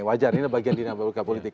wajar ini bagian dinamika politik